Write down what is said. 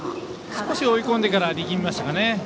少し追い込んでから力みましたかね。